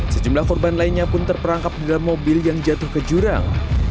sejumlah korban lainnya pun terperangkap di dalam mobil yang jatuh ke jurang